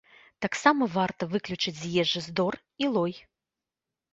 Таксама варта выключыць з ежы здор і лой.